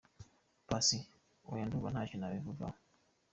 Paccy : Oya, ndumva ntacyo nabivugaho.